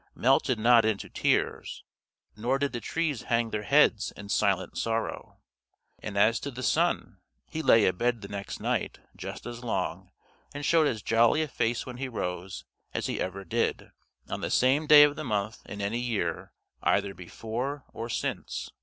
melted not into tears, nor did the trees hang their heads in silent sorrow; and as to the sun, he lay abed the next night just as long, and showed as jolly a face when he rose, as he ever did, on the same day of the month in any year, either before or since.